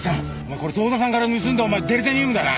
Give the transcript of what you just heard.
これ遠田さんから盗んだデリタニウムだな？